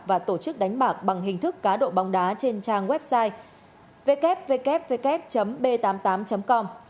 và tổ chức đánh bạc bằng hình thức cá độ bóng đá trên trang website www b tám mươi tám com